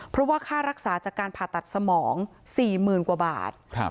เพราะว่าค่ารักษาจากการผ่าตัดสมอง๔๐๐๐กว่าบาท